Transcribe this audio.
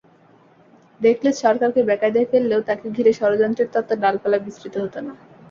Reckless সরকারকে বেকায়দায় ফেললেও তাঁকে ঘিরে ষড়যন্ত্রের তত্ত্ব ডালপালা বিস্তৃত হতো না।